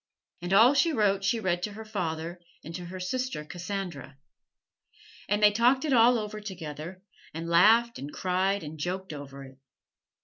And all she wrote she read to her father and to her sister Cassandra. And they talked it all over together and laughed and cried and joked over it.